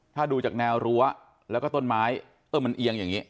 ถ้าดูจากแนวรั้วแล้วก็ต้นไม้เออมันเอียงอย่างนี้